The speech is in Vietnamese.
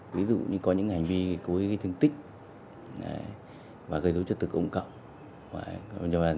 ví dụ như có những hành vi có những thương tích và gây đối chất tực ủng cộng